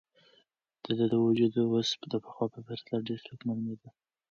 د ده وجود اوس د پخوا په پرتله ډېر سپک معلومېده.